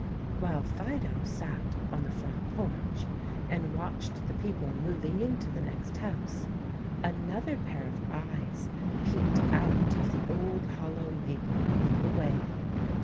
While Fido sat on the front porch and watched the people moving into the next house another pair of eyes peeped out of the old hollow maple over the way.